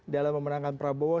dalam memenangkan prabowo